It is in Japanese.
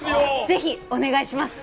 ぜひお願いします